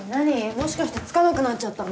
もしかしてつかなくなっちゃったの？